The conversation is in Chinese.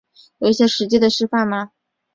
有一些实际的示范吗